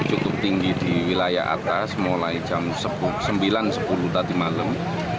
cukup tinggi di wilayah atas mulai jam sembilan sepuluh tadi malam